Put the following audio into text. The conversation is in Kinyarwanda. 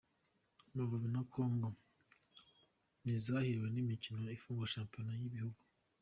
Amavubi na Kongo ntizahiriwe n’imikino ifungura Shampiyona Yibihugu